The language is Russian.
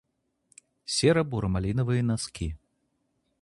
Серо-буро-малиновые носки